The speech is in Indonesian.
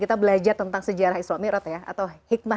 kita belajar tentang sejarah isra' mi'raj ya